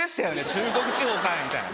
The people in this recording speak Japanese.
「中国地方かい」みたいな。